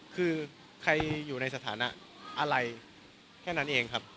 คือใครอยู่ในสถานะอะไรแค่นั้นเองครับ